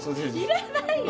いらないよ。